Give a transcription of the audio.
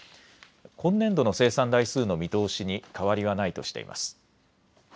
今年度の生産台数の見通しに変わりはないとしています。